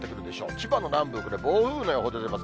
千葉の南部、暴風雨の予報出ています。